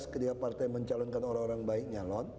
ketika partai mencalonkan orang orang baiknya